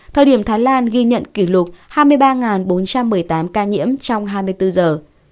thời điểm thái lan ghi nhận kỷ lục hai mươi ba bốn trăm một mươi tám ca nhiễm trong hai mươi bốn giờ